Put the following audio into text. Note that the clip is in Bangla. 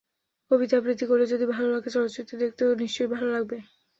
কবিতা আবৃত্তি করলে যদি ভালো লাগে, চলচ্চিত্রে দেখতেও নিশ্চয়ই ভালো লাগবে।